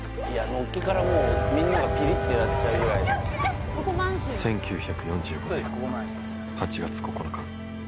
のっけからもうみんながピリッてなっちゃうぐらいの「１９４５年８月９日」